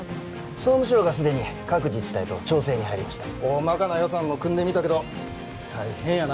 総務省がすでに各自治体と調整に入りましたおおまかな予算も組んでみたけど大変やな